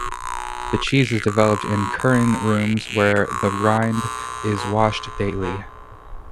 The cheese is developed in curing rooms where the rind is washed daily.